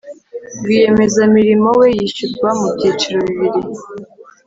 Rwiyemezamirimo we yishyurwa mu byiciro bibiri